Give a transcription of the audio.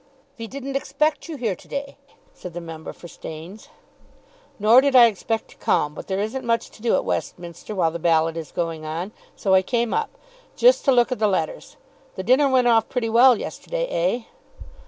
"Ve didn't expect you here to day," said the member for Staines. "Nor did I expect to come. But there isn't much to do at Westminster while the ballot is going on; so I came up, just to look at the letters. The dinner went off pretty well yesterday, eh?"